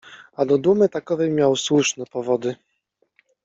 A do dumy takowej miał słuszne powody